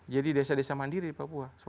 jadi desa desa mandiri di papua